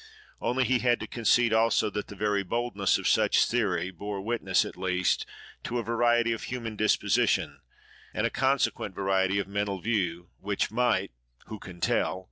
Only, he had to concede also, that the very boldness of such theory bore witness, at least, to a variety of human disposition and a consequent variety of mental view, which might—who can tell?